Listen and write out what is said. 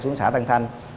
xuống xã tân thành